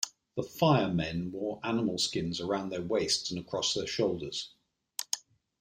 The Fire-Men wore animal skins around their waists and across their shoulders.